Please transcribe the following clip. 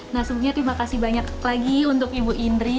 nah sebelumnya terima kasih banyak lagi untuk ibu indri